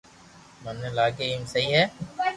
مني لاگيي ايم سھي ھي